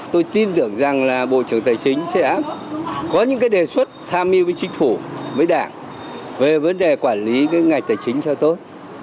tôi tin tưởng rằng là bộ trưởng tài chính sẽ có những cái đề xuất tham mưu với chính phủ với đảng về vấn đề quản lý cái ngành tài chính cho tốt